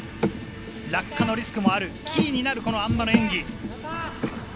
落下のリスクもあるキーになる、あん馬の演技。